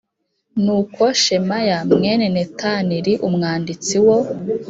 Nuko Shemaya mwene Netan li umwanditsi wo